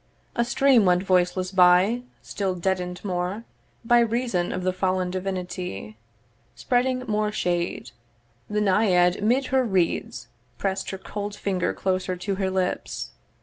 A stream went voiceless by, still deaden'd more By reason of the fallen divinity Spreading more shade; the Naiad 'mid her reeds Press'd her cold finger closer to her lips.